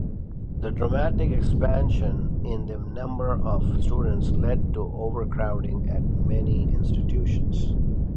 The dramatic expansion in the number of students led to overcrowding at many institutions.